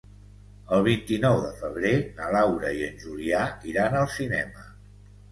El vint-i-nou de febrer na Laura i en Julià iran al cinema.